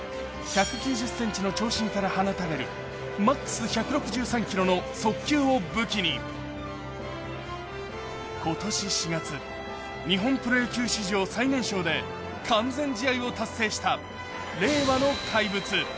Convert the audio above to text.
１９０ｃｍの長身から放たれるＭＡＸ１６３キロの速球を武器に、今年４月、日本プロ野球史上最年少で完全試合を達成した令和の怪物。